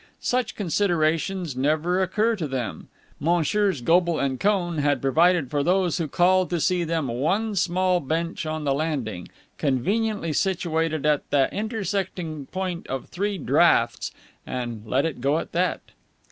Such considerations never occur to them. Messrs. Goble and Cohn had provided for those who called to see them one small bench on the landing, conveniently situated at the intersecting point of three draughts, and had let it go at that.